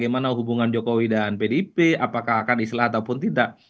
bagaimana hubungan jokowi dan pdip apakah akan islah ataupun tidak